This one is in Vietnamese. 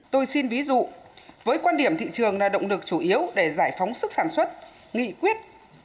tôi xin ví dụ với quan điểm thị trường là động lực chủ yếu để giải phóng sức sản xuất nghị quyết